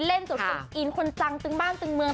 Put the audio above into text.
เล่นสดทดอินคนจังตึงบ้านตึงเมือง